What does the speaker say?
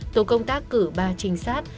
tổ công tác cử ba trinh sát